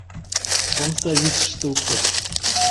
Омса вишыште уке.